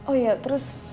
oh iya terus